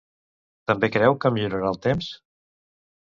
També creu que millorarà el temps?